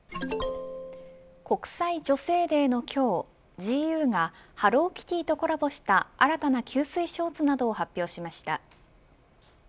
国際女性デーの今日ＧＵがハローキティとコラボした新たな吸水ショーツなどを発表しました。